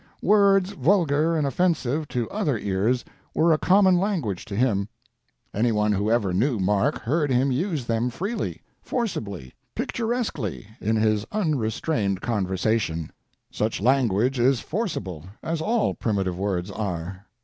"Words vulgar and offensive to other ears were a common language to him. Anyone who ever knew Mark heard him use them freely, forcibly, picturesquely in his unrestrained conversation. Such language is forcible as all primitive words are.